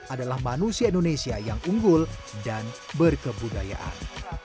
adalah manusia indonesia yang unggul dan berkebudayaan